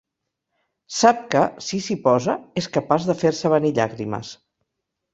Sap que, si s'hi posa, és capaç de fer-se venir llàgrimes.